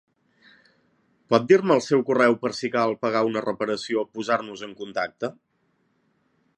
Pot dir-me el seu correu per si cal pagar una reparació, posar-nos en contacte?